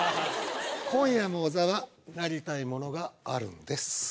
今夜の小沢なりたいものがあるんです。